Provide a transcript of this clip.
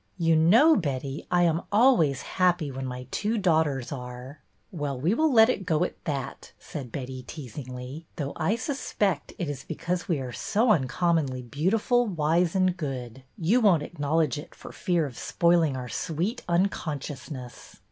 " You know, Betty, I am always happy when my two daughters are." " Well, we will let it go at that," said Betty, teasingly, " though I suspect it is because we are so uncommonly beautiful, wise, and good. You won't acknowledge it for fear of spoiling our sweet unconsciousness."